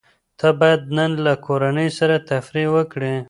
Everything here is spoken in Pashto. ته بايد نن له کورنۍ سره تفريح وکړې.